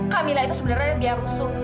kamila itu sebenernya biar rusuh